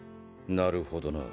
なるほどな。